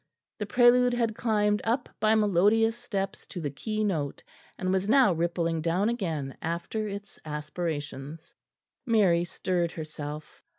The prelude had climbed up by melodious steps to the keynote, and was now rippling down again after its aspirations. Mary stirred herself.